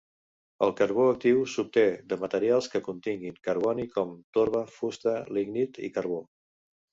El carbó actiu s'obté de materials que continguin carboni com, torba, fusta, lignit i carbó.